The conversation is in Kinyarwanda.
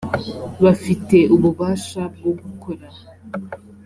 bafite ububasha bwo gukora